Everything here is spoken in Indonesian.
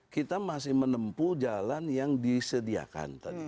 kita masih menempuh jalan yang disediakan tadi